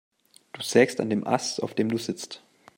Du sägst an dem Ast, auf dem du sitzt.